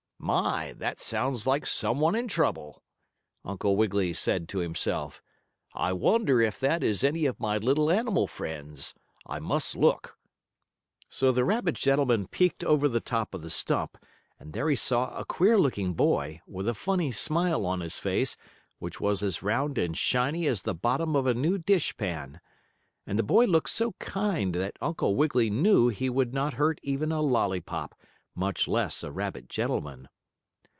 "My! That sounds like some one in trouble," Uncle Wiggily said to himself. "I wonder if that is any of my little animal friends? I must look." So the rabbit gentleman peeked over the top of the stump, and there he saw a queer looking boy, with a funny smile on his face, which was as round and shiny as the bottom of a new dish pan. And the boy looked so kind that Uncle Wiggily knew he would not hurt even a lollypop, much less a rabbit gentleman.